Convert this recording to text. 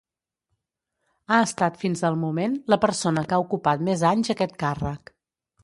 Ha estat fins al moment la persona que ha ocupat més anys aquest càrrec.